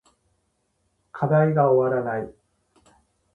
課題が終わらない